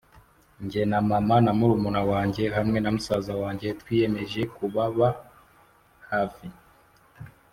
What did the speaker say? “Jye na mama na murumuna wanjye hamwe na musaza wanjye twiyemeje kubaba hafi